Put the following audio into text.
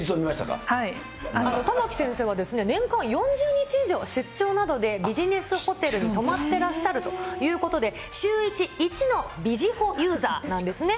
玉城先生は年間４０日以上、出張などでビジネスホテルに泊まってらっしゃるということで、シューイチ１のビジホユーザーなんですね。